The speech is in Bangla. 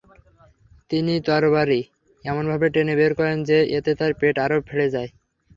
তিনি তরবারি এমনভাবে টেনে বের করেন যে, এতে তার পেট আরো ফেড়ে যায়।